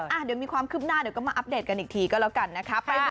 อ่ะเดี๋ยวมีความคืบหน้าเดี๋ยวก็มาอัปเดตกันอีกทีก็แล้วกันนะคะ